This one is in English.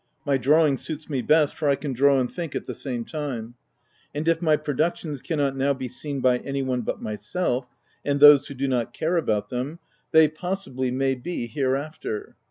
My drawing suits me best, for I can draw and think at the same time ; and if my productions can not now be seen by any one but myself and those who do not care about them, they, possi bly, may be, hereafter.